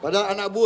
padahal anak buah